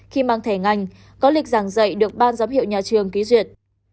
khi mang thẻ ngành có lịch giảng dạy được ban giám hiệu nhà trường ký duyệt